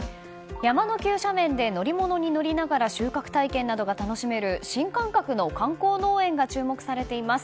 山の急斜面で乗り物に乗りながら収穫体験などが楽しめる新感覚の観光農園が注目されています。